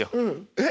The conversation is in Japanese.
えっ！？